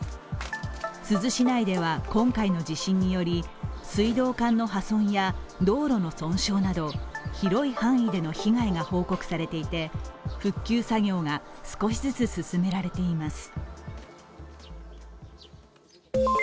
珠洲市内では今回の地震により水道管の破損や道路の損傷など広い範囲での被害が報告されていて、復旧作業が少しずつ進められています。